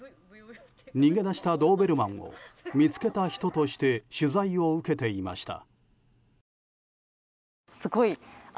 逃げ出したドーベルマンを見つけた人として取材を受けていました。